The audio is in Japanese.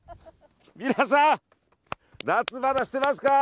皆さん夏、まだしてますか？